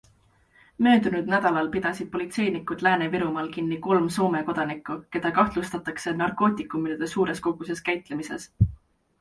Möödunud nädalal pidasid politseinikud Lääne-Virumaal kinni kolm Soome kodanikku, keda kahtlustatakse narkootikumide suures koguses käitlemises.